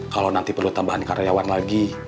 kalau nanti perlu tambahan karyawan lagi